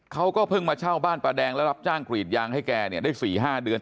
เขาก็เพิ่งมาเช่าบ้านป้าแดงแล้วรับจ้างกรีดยางให้แกเนี่ยได้๔๕เดือน